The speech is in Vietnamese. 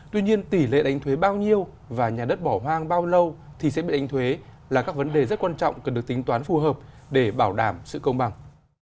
tuy nhiên tỷ lệ đánh thuế bao nhiêu và nhà đất bỏ hoang bao lâu thì sẽ bị đánh thuế là các vấn đề rất quan trọng cần được tính toán phù hợp để bảo đảm sự công bằng